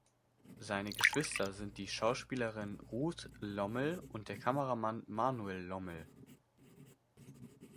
Seine Geschwister sind die Schauspielerin Ruth Lommel und der Kameramann Manuel Lommel.